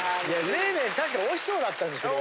冷麺確かにおいしそうだったんですけど。